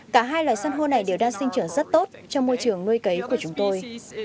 cả hai loài săn hô này đều đang sinh trưởng rất tốt trong môi trường nuôi cấy của chúng tôi